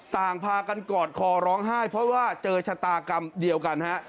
ต่างพากันกอดคอร้องไห้เพราะว่าเจอชะตากรรมเดียวกันฮะ